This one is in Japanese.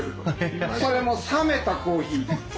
それも冷めたコーヒー。